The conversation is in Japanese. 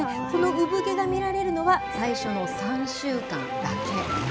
この産毛が見られるのは、最初の３週間だけ。